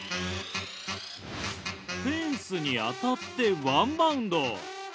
フェンスに当たってワンバウンド。